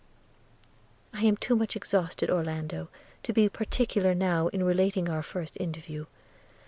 I am too much exhausted, Orlando, to be particular now in relating our first interview.